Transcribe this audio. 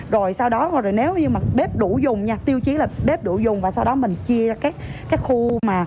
rồi sau đó nếu như bếp đủ dùng nha tiêu chí là bếp đủ dùng và sau đó mình chia ra các khu mà